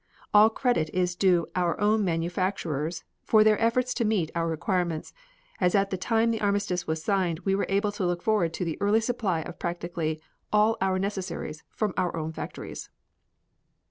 All credit is due our own manufacturers for their efforts to meet our requirements, as at the time the armistice was signed we were able to look forward to the early supply of practically all our necessities from our own factories.